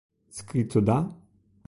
Scritto da.